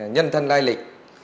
nhân thân lai lịch